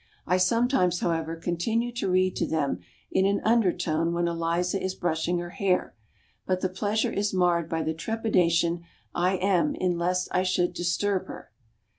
I sometimes, however, continue to read to them in an undertone when Eliza is brushing her hair. But the pleasure is marred by the trepidation I am in lest I should disturb her.